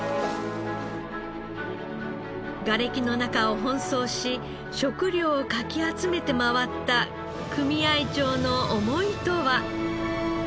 がれきの中を奔走し食料をかき集めて回った組合長の思いとは。